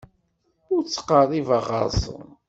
Ur ttqerribeɣ ɣer-sen.